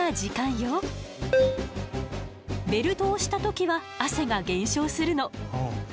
ベルトをした時は汗が減少するの。